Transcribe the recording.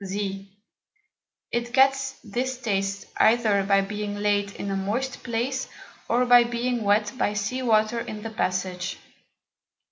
[z] It gets this Taste either by being laid in a moist Place, or by being wet by Sea Water in the Passage.